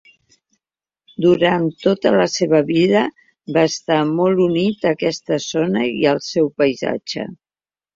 Durant tota la seva vida, va estar molt unit a aquesta zona i al seu paisatge.